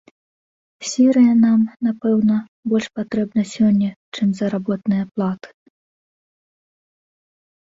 Сірыя нам, напэўна, больш патрэбна сёння, чым заработныя платы.